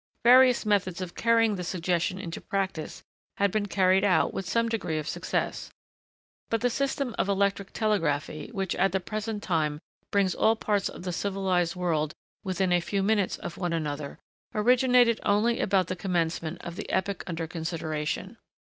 Various methods of carrying the suggestion into practice had been carried out with some degree of success; but the system of electric telegraphy, which, at the present time, brings all parts of the civilised world within a few minutes of one another, originated only about the commencement of the epoch under consideration.